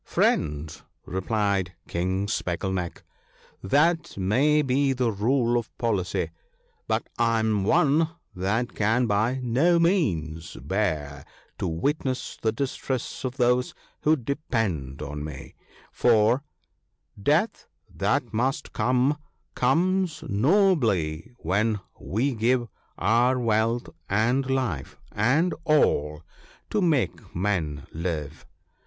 ' Friend,' replied King Speckle neck, * that may be the rule of policy, but I am one that can by no means bear to witness the distress of those who depend on me, for, —'• Death, that must come, comes nobly when we give Our wealth, and life, and all, to make men live."